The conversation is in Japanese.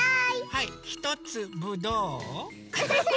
はいひとつぶどう？